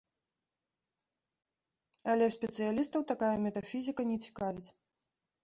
Але спецыялістаў такая метафізіка не цікавіць.